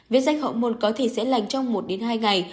viết rách hậu môn có thể sẽ lành trong một hai ngày